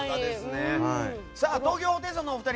東京ホテイソンのお二人